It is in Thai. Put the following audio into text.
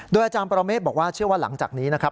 อาจารย์ปรเมฆบอกว่าเชื่อว่าหลังจากนี้นะครับ